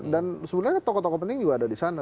dan sebenarnya tokoh tokoh penting juga ada di sana